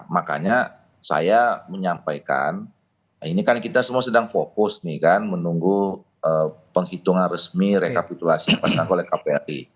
makanya saya menyampaikan ini kan kita semua sedang fokus nih kan menunggu penghitungan resmi rekapitulasi yang dilakukan oleh kpri